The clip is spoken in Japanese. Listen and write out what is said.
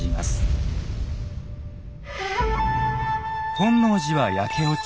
本能寺は焼け落ち